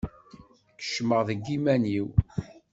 Kecmeɣ deg iman-iw.